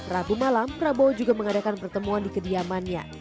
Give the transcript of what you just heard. rabu malam prabowo juga mengadakan pertemuan di kediamannya